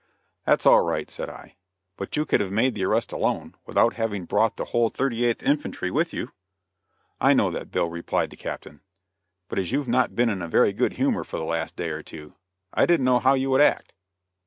"That's all right," said I, "but you could have made the arrest alone, without having brought the whole Thirty eighth Infantry with you." "I know that, Bill," replied the Captain, "but as you've not been in very good humor for the last day or two, I didn't know how you would act."